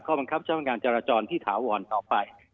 ข้อบังคับเจ้าทางงานจราจรที่ถาวรต่อไป